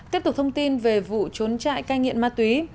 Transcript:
tiếp tục thông tin về vụ trốn trại cai nghiện ma túy